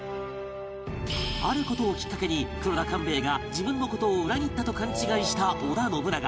ある事をきっかけに黒田官兵衛が自分の事を裏切ったと勘違いした織田信長